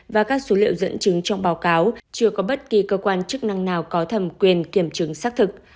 và các số liệu dẫn chứng trong báo cáo chưa có bất kỳ cơ quan chức năng nào có thẩm quyền kiểm chứng xác thực